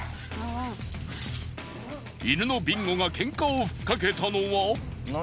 犬のビンゴがケンカをふっかけたのは。